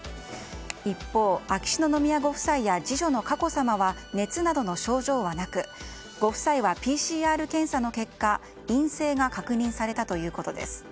一方、秋篠宮ご夫妻や次女の佳子さまは熱などの症状はなくご夫妻はＰＣＲ検査の結果陰性が確認されたということです。